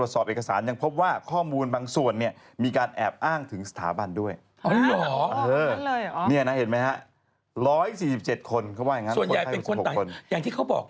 ส่วนใหญ่เป็นคนใดอย่างที่เขาบอก